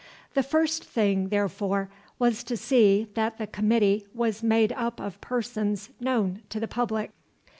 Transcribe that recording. The first thing, therefore, was to see that the Committee was made up of persons known to the public.